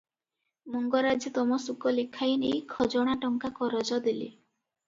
ମଙ୍ଗରାଜେ ତମସୁକ ଲେଖାଇନେଇ ଖଜଣା ଟଙ୍କା କରଜ ଦେଲେ ।